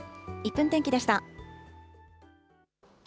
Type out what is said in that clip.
１分天気でした。